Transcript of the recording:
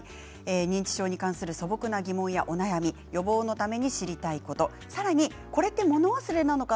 認知症に関する素朴な疑問やお悩み、予防のために知りたいことさらに、これって物忘れなのか